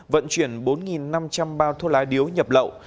vận chuyển bốn năm trăm linh bao thuốc lá điếu nhập lậu